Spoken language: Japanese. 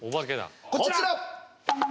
こちら！